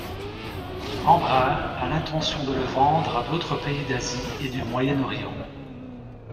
Embraer a l'intention de le vendre à d'autres pays d'Asie et du Moyen-Orient.